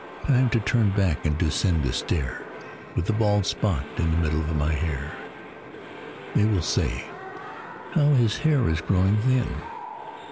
Time to turn back and descend the stair, With a bald spot in the middle of my hair (They will say: "How his hair is growing thin!")